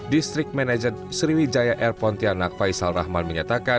distrik manajer sriwijaya air pontianak faisal rahman menyatakan